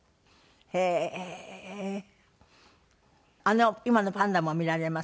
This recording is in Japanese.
あの今のパンダも見られます？